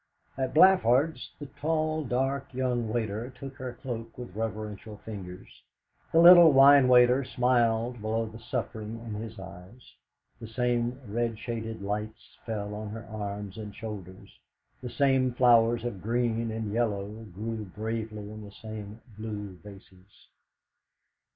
At Blafard's the tall dark young waiter took her cloak with reverential fingers; the little wine waiter smiled below the suffering in his eyes. The same red shaded lights fell on her arms and shoulders, the same flowers of green and yellow grew bravely in the same blue vases.